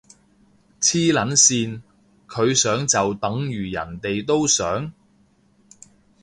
黐撚線，佢想就等如人哋都想？